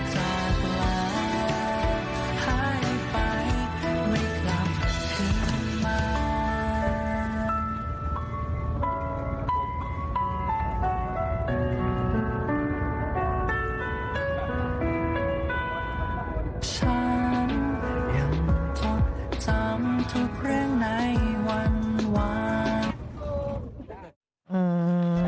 ฉันยังทดจำทุกเรื่องในวันหวาน